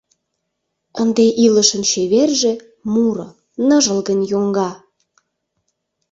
Ынде илышын чеверже — Муро — ныжылгын йоҥга.